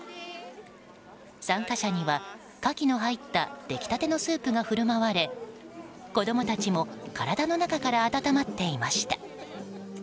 参加者にはカキの入った出来たてのスープが振舞われ子供たちも体の中から温まっていました。